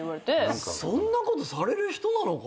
そんなことされる人なのかな？